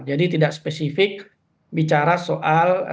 jadi tidak spesifik bicara soal